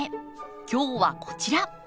今日はこちら。